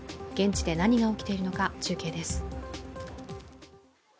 現地で何が起きているのか、中継です。